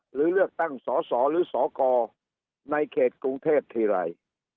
หรือเลือกตั้งสสหรือสกในเขตกรุงเทพทีไร